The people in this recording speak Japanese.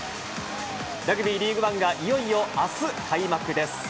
ラグビーリーグワンが、いよいよあす開幕です。